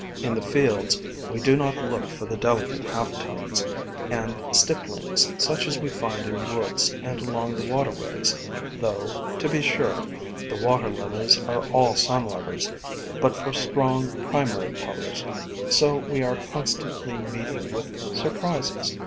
In the fields we do not look for the delicate half tones and stipplings such as we find in woods and along the waterways — though, to be sure, the Water Lilies are all sun lovers — but for strong primary colors; so we are constantly meeting with surprises.